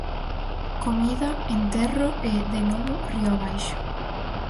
Comida, enterro e, de novo, río abaixo.